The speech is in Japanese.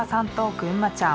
ぐんまちゃん